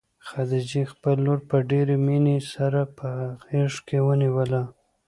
خدیجې خپله لور په ډېرې مینې سره په غېږ کې ونیوله.